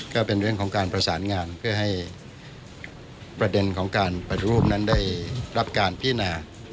ก็เป็นเรื่องของการประสานงานเพื่อให้ประเด็นของการปฏิรูปนั้นได้รับการพินา